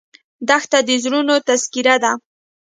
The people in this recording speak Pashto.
دښته د زړونو تذکره ده.